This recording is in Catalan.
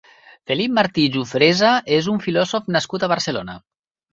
Felip Martí-Jufresa és un filòsof nascut a Barcelona.